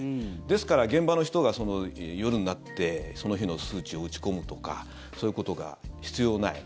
ですから現場の人が夜になってその日の数値を打ち込むとかそういうことが必要ない。